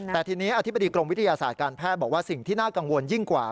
แต่ทีนี้อธิบดีกรมวิทยาศาสตร์การแพทย์บอกว่าสิ่งที่น่ากังวลยิ่งกว่า